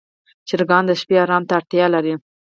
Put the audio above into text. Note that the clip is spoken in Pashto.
چرګان د شپې آرام ته اړتیا لري.